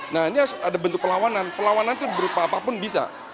nah ini ada bentuk perlawanan perlawanan itu berupa apapun bisa